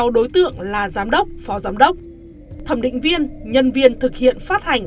sáu đối tượng là giám đốc phó giám đốc thẩm định viên nhân viên thực hiện phát hành